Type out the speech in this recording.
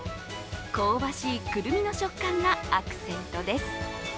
香ばしい、くるみの食感がアクセントです。